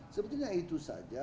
sebetulnya itu saja